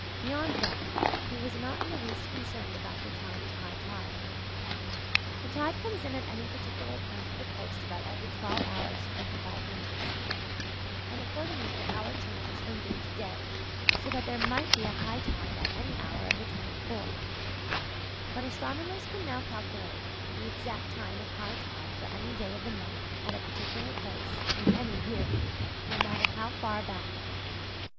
Beyond that he was not in the least concerned about the time of high tide. The tide comes in at any particular point of the coast about every 12 hours 25 minutes, and accordingly the hour changes from day to day, so that there might be a high tide at any hour of the twenty four: but astronomers can now calculate the exact time of high tide for any day of the month at a particular place in any year, no matter how far back.